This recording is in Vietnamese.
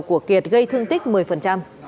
của kiệt gây thương tích một mươi